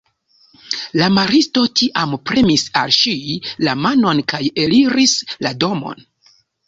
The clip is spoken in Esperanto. La maristo tiam premis al ŝi la manon kaj eliris la domon.